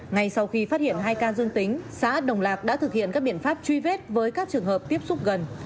ngay sau khi phát hiện hai ca dương tính xã đồng lạc đã thực hiện các biện pháp truy vết với các trường hợp tiếp xúc gần